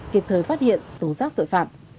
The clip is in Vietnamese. kịp thời phát hiện tố giác tội phạm